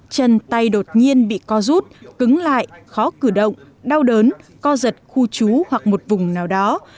chân tay đột nhiên bị co rút cứng lại khó cử động đau đớn co giật khu trú hoặc một vùng nào đó